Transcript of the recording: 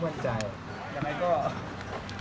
เป็นไงเมื่อโดย